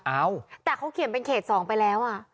เอ้าแต่เขาเขียนเป็นเขต๒ไปแล้วอ่ะ